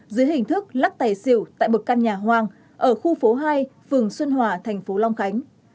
dưới hình thức lắc tài xỉu tại một căn nhà hoang ở khu phố hai phường xuân hòa thành phố long khánh